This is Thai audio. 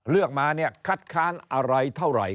เลือกมาเนี่ยคัดค้านอะไรเท่าไหร่